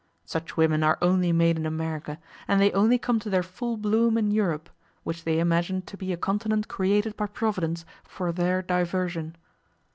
Such women are only made in America, and they only come to their full bloom in Europe, which they imagine to be a continent created by Providence for their diversion.